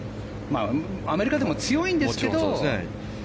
アメリカでも強いんですけど。